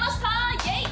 イエイ！